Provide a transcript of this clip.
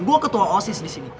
gue ketua osis disini